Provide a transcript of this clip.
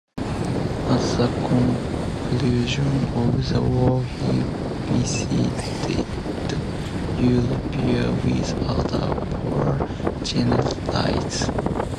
At the conclusion of the war he visited Europe with other Boer generals.